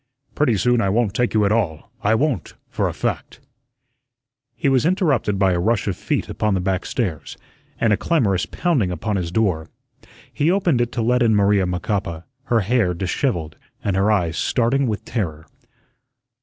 "Pretty soon I won't take you at all; I won't, for a fact." He was interrupted by a rush of feet upon the back stairs and a clamorous pounding upon his door. He opened it to let in Maria Macapa, her hair dishevelled and her eyes starting with terror.